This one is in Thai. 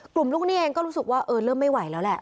ลูกหนี้เองก็รู้สึกว่าเออเริ่มไม่ไหวแล้วแหละ